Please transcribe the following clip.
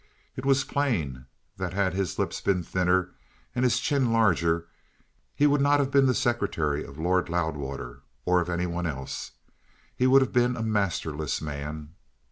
It was plain that had his lips been thinner and his chin larger he would not have been the secretary of Lord Loudwater or of any one else. He would have been a masterless man.